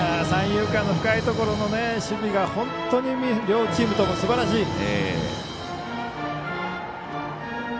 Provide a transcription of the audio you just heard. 三遊間の深いところの守備が本当に両チームともすばらしい。